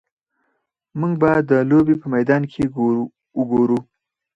موږ به د لوبې په میدان کې وګورو